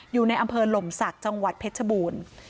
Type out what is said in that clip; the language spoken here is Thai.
อยู่ในอำเภอหล่มศักดิ์จังหวัดเพชรบูรณ์